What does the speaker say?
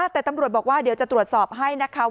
แต่ตำรวจบอกว่าเดี๋ยวจะตรวจสอบให้นะคะ